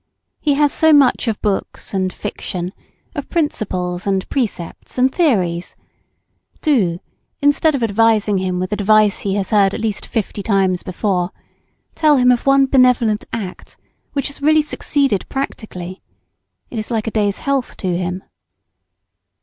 He has so much of books and fiction, of principles, and precepts, and theories; do, instead of advising him with advice he has heard at least fifty times before, tell him of one benevolent act which has really succeeded practically, it is like a day's health to him.